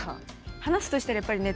話すとしたらやっぱりああ。